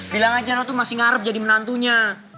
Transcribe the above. bilang aja lo tuh masih ngarep jadi menantunya